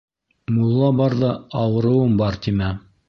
Мулла барҙа «ауырыуым бар» тимә.